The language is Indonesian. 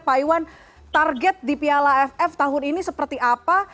pak iwan target di piala aff tahun ini seperti apa